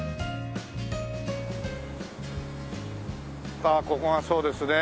ああここがそうですね。